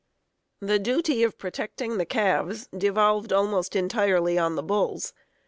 ] "The duty of protecting the calves devolved almost entirely on the bulls.